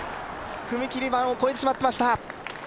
踏み切り板を越えてしまっていました。